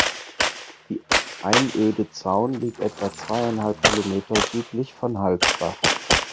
Die Einöde Zaun liegt etwa zweieinhalb Kilometer südlich von Halsbach.